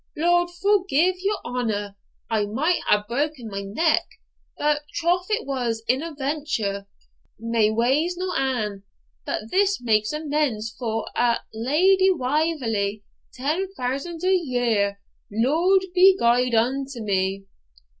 Lord forgie your honour! I might hae broken my neck; but troth it was in a venture, mae ways nor ane; but this maks amends for a'. Lady Wauverley! ten thousand a year! Lord be gude unto me!'